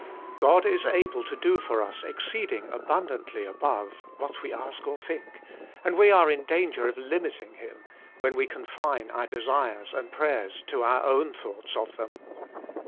God is able to do for us exceeding abundantly above what we ask or think, and we are in danger of limiting Him, when we confine our desires and prayers to our own thoughts ol them.